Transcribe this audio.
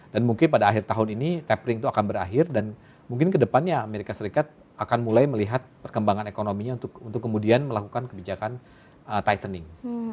dan mungkin pada akhir tahun ini tapering itu akan berakhir dan mungkin ke depannya amerika serikat akan mulai melihat perkembangan ekonominya untuk kemudian melakukan kebijakan tightening